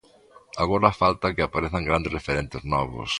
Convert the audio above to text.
Agora falta que aparezan grandes referentes novos.